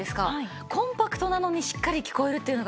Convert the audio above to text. コンパクトなのにしっかり聞こえるっていうのが嬉しいですね。